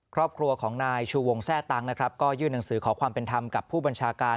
ครอบครัวของนายชูวงแทร่ตังนะครับก็ยื่นหนังสือขอความเป็นธรรมกับผู้บัญชาการ